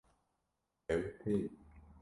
Ew tên